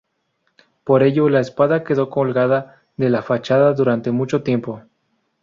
Por ello, la espada quedó colgada de la fachada durante mucho tiempo.